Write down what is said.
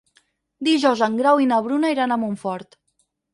Dijous en Grau i na Bruna iran a Montfort.